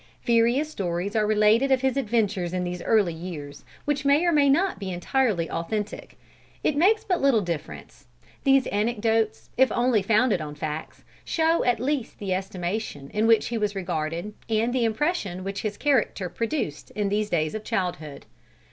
Various stories are related of his adventures in these his early years, which may or may not be entirely authentic. It makes but little difference. These anecdotes if only founded on facts, show at least the estimation in which he was regarded, and the impression which his character produced in these days of childhood.